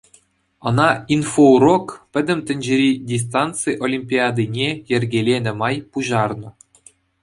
Ӑна «Инфоурок» пӗтӗм тӗнчери дистанци олимпиадине йӗркеленӗ май пуҫарнӑ.